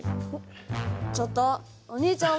ちょっとお兄ちゃん重いよ。